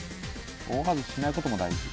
大外ししないことも大事